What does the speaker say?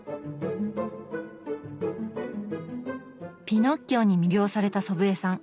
ピノッキオに魅了された祖父江さん。